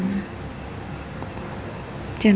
jangan bohong sama aku ya emang